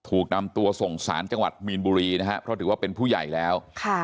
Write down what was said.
ถูกนำตัวส่งสารจังหวัดมีนบุรีนะฮะเพราะถือว่าเป็นผู้ใหญ่แล้ว